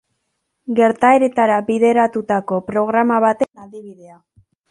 Gertaeretara bideratutako programa baten adibidea.